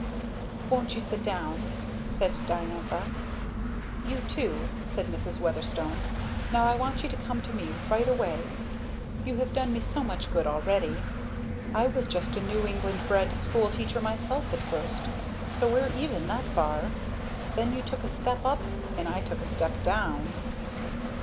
"Won't you sit down?" said Diantha. "You, too," said Mrs. Weatherstone. "Now I want you to come to me right away. You have done me so much good already. I was just a New England bred school teacher myself at first, so we're even that far. Then you took a step up and I took a step down."